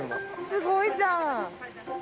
すごいじゃん！